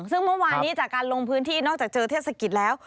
ซึ่งเมื่อวานนี้จากการลงพื้นที่นอกจากเจอเทศกิจแล้ว